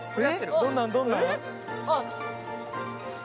・どんなんどんなん？あっ！